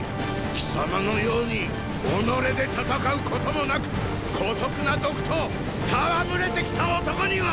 貴様のように己で戦うこともなく姑息な毒と戯れてきた男には！